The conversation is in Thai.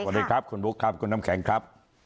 สวัสดีครับคุณบุ๊คครับคุณน้ำแข็งครับ